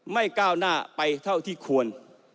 ก้าวหน้าไปเท่าที่ควร